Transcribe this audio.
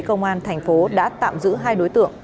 công an thành phố đã tạm giữ hai đối tượng